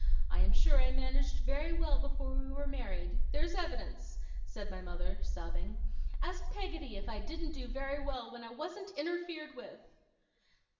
I am sure I managed very well before we were married. There's evidence,' said my mother, sobbing; 'ask Peggotty if I didn't do very well when I wasn't interfered with!